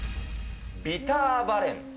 ビターバレン。